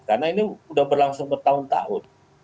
karena ini udah berlangsung bertahun tahun